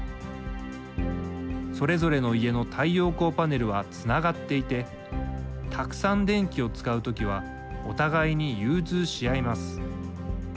それぞれの家の太陽光パネルはつながっていてたくさん電気を使う時はお互いに融通し合います。